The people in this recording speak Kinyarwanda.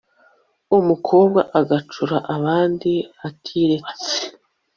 umukobwa agacura abandi atiretse